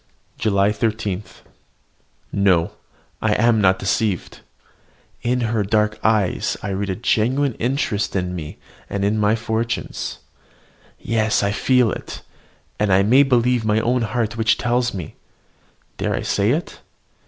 JULY 13. No, I am not deceived. In her dark eyes I read a genuine interest in me and in my fortunes. Yes, I feel it; and I may believe my own heart which tells me dare I say it?